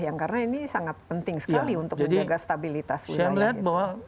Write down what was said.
yang karena ini sangat penting sekali untuk menjaga stabilitas wilayahnya